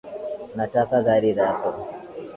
Nataka gari lako